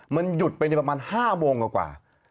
มันหยุดไปในประมาณ๕โมงกว่า